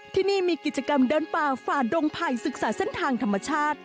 ที่นี่มีกิจกรรมเดินป่าฝ่าดงไผ่ศึกษาเส้นทางธรรมชาติ